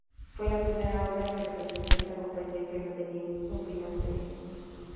Fue la primera obra que representó esa compañía que no tenía un final feliz.